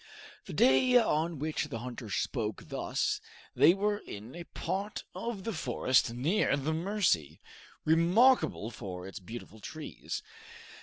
The day on which the hunters spoke thus, they were in a part of the forest near the Mercy, remarkable for its beautiful trees.